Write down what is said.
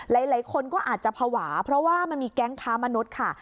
หลายคนก็อาจจะภาวะเพราะว่ามันมีแก๊งค้ามนุษย์ค่ะ